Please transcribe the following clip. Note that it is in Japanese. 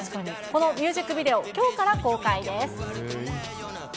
このミュージックビデオ、きょうから公開です。